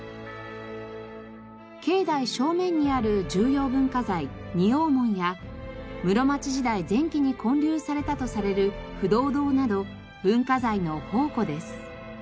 境内正面にある重要文化財仁王門や室町時代前期に建立されたとされる不動堂など文化財の宝庫です。